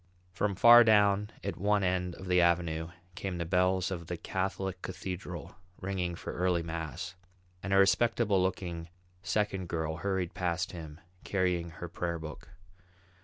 From far down at one end of the avenue came the bells of the Catholic Cathedral ringing for early mass; and a respectable looking second girl hurried past him carrying her prayer book.